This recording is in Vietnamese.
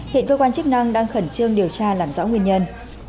hiện cơ quan chức năng đang khẩn trương điều tra làm rõ nguyên nhân